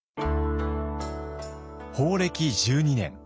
宝暦１２年。